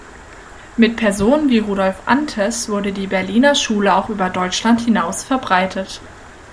Mit Personen wie Rudolf Anthes wurde die Berliner Schule auch über Deutschland hinaus verbreitet.